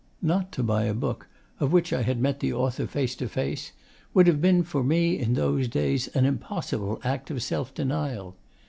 Not to buy a book of which I had met the author face to face would have been for me in those days an impossible act of self denial.